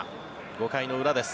５回の裏です。